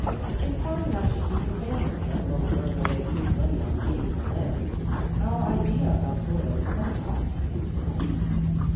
It's hard enough to feed the family, let alone throwing away good money on feeding the land. Our idea about soil is that it ought to feed itself.